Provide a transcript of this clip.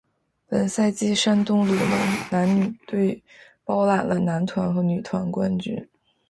本赛季山东鲁能男女队包揽了男团和女团冠军。